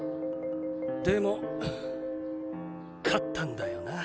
でも勝ったんだよな？